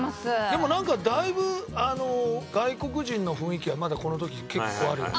でもなんかだいぶあの外国人の雰囲気はまだこの時結構あるよね。